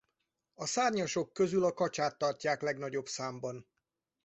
A szárnyasok közül a kacsát tartják legnagyobb számban.